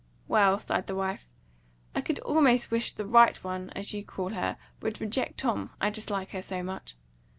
"Well," sighed the wife, "I could almost wish the right one, as you call her, would reject Tom, I dislike her so much."